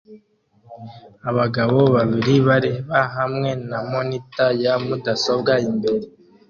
Abagabo babiri bareba hamwe na monitor ya mudasobwa imbere